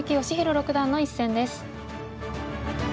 六段の一戦です。